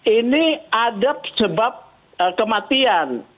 ini ada sebab kematian